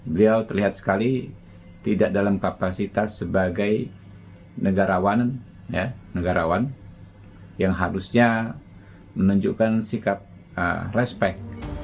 beliau terlihat sekali tidak dalam kapasitas sebagai negarawan negarawan yang harusnya menunjukkan sikap respect